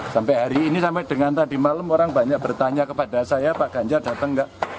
sampai hari ini sampai dengan tadi malam orang banyak bertanya kepada saya pak ganjar datang nggak